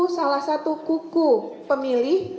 salah satu kuku pemilih